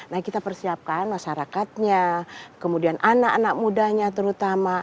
nah kita persiapkan masyarakatnya kemudian anak anak mudanya terutama